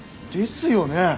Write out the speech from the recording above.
ですよね？